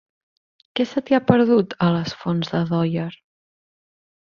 Què se t'hi ha perdut, a les Fonts d'Aiòder?